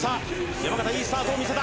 山縣、いいスタートを見せた。